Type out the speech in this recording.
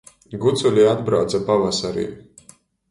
Guculi atbrauce pavasarī.